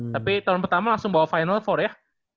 tapi tahun pertama langsung bawa final empat ya